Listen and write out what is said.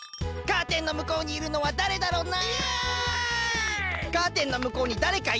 カーテンのむこうにいるのは誰だろな？